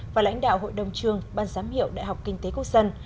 và lãnh đạo hội đồng trường ban giám hiệu đại học kinh tế quốc dân